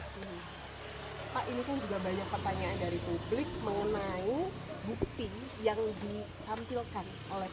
pak ini kan juga banyak pertanyaan dari publik mengenai bukti yang ditampilkan oleh